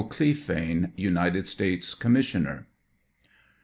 CLEPHANE, United States Gommissioner.